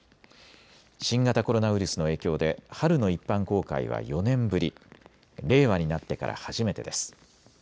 新型コロナウイルスの影響で春の一般公開は４年ぶり、令和になってから初めてです。